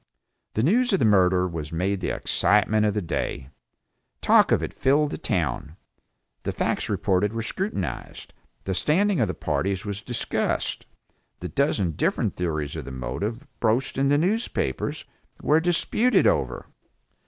The news of the murder was made the excitement of the day. Talk of it filled the town. The facts reported were scrutinized, the standing of the parties was discussed, the dozen different theories of the motive, broached in the newspapers, were disputed over.